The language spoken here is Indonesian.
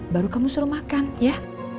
baru kamu suruh makan ya